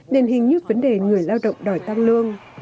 đền hình như vấn đề người lao động đòi tăng lương